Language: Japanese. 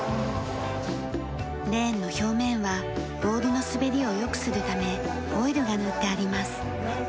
レーンの表面はボールの滑りを良くするためオイルが塗ってあります。